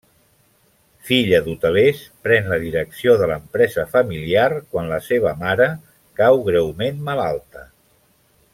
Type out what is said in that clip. Filla d'hotelers, pren la direcció de l'empresa familiar quan la seva mare cau greument malalta.